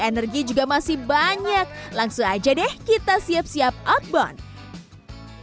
energi juga masih banyak langsung aja deh kita siap siap outbound